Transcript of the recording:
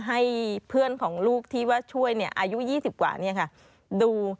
ให้เพื่อนของลูกที่ช่วยอายุ๒๐กว่านี้ค่ะดู